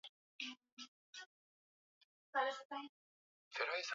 homa hiyo inasababisha kuumwa kichwa kwa muda mrefu